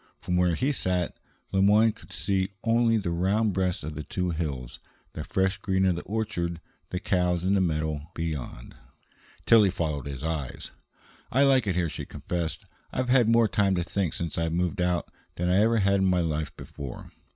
From where he sat, Le Moyne could see only the round breasts of the two hills, the fresh green of the orchard the cows in a meadow beyond. Tillie followed his eyes. "I like it here," she confessed. "I've had more time to think since I moved out than I ever had in my life before.